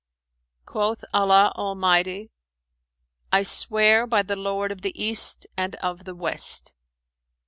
Quoth Allah Almighty, 'I swear by the Lord of the East and of the West.'